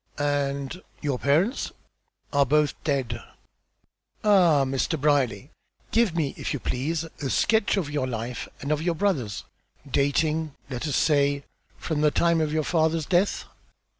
"And your parents?" "Are both dead." "Ah! Mr. Brierly, give me, if you please, a sketch of your life and of your brother's, dating, let us say, from the time of your father's death."